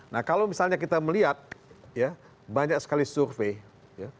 nah kalau misalnya kita melihat ya banyak sekali survei ya